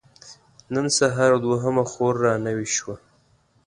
نن سهار دوهمه خور را نوې شوه.